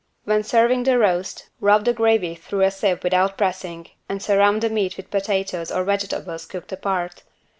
When serving the roast rub the gravy through a sieve without pressing and surround the meat with potatoes or vegetables cooked apart.